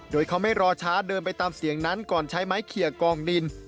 โดยเขาไม่รอช้าเดินไปตามเสียงนั้นก่อนใช้ไม้เขียกองดิน